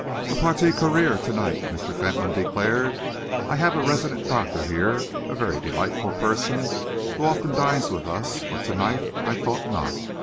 "A partie carree to night," Mr. Fentolin declared. "I have a resident doctor here, a very delightful person, who often dines with us, but to night I thought not.